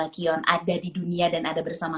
kion ada di dunia dan ada bersama